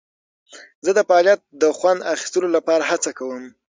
زه د فعالیت د خوند اخیستلو لپاره هڅه کوم.